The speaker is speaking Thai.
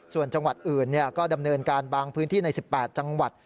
ส่วนจังหวัดอื่นก็ดำเนินการบางพื้นที่ใน๑๘จังหวัด